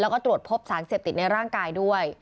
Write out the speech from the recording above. แล้วก็ตรวจพบสารเสพติดในร่างกายด้วย